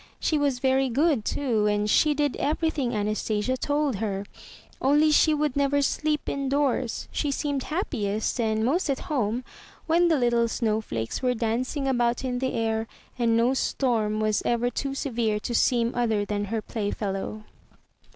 She was very good, too, and she did everything Anastasia told her. Only she would never sleep in doors. She seemed happiest and most at home when the little snow flakes were dancing about in the air, and no storm was ever too severe to seem other than her playfellow.